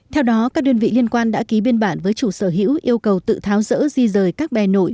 theo đó các đơn vị liên quan đã ký biên bản với chủ sở hữu yêu cầu tự tháo rỡ di rời các bè nổi